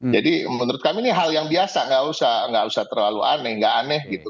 jadi menurut kami ini hal yang biasa nggak usah terlalu aneh nggak aneh gitu